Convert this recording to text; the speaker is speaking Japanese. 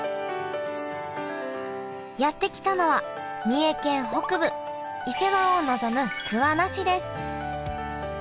やって来たのは三重県北部伊勢湾を臨む桑名市です。